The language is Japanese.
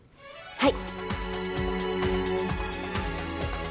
はい！